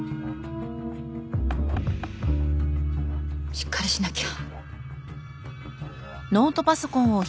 しっかりしなきゃ。